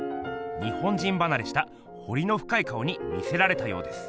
日本人ばなれしたほりのふかい顔に魅せられたようです。